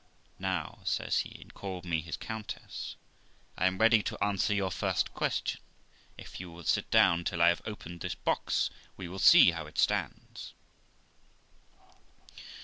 'Now', says he, and called me his countess, 'I am ready to answer your first question 5 if you will sit down till I have opened this box, we will see how it stands.'